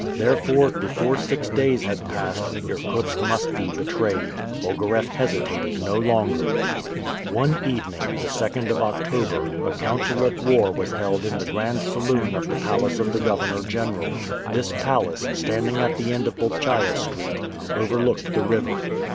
Therefore, before six days had passed, Irkutsk must be betrayed. Ogareff hesitated no longer. One evening, the 2d of October, a council of war was held in the grand saloon of the palace of the governor general. This palace, standing at the end of Bolchaia Street, overlooked the river.